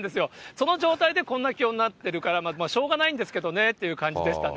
その状態でこんな気温になってるから、しょうがないんですけどねという感じでしたね。